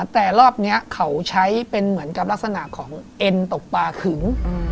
แต่รอบนี้เขาใช้เป็นเหมือนกับลักษณะของเอ็นตกปลาขึง